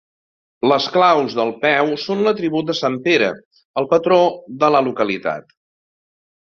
Les claus del peu són l'atribut de sant Pere, el patró de la localitat.